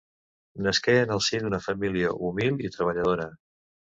Nasqué en el si d'una família humil i treballadora.